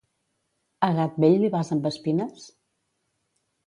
A gat vell li vas amb espines?